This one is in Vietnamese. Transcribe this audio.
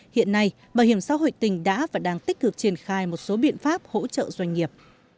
tỉnh đã và đang tích cực triển khai một số biện pháp hỗ trợ doanh nghiệp